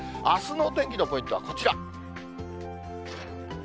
あすの天気のポイントはこちら。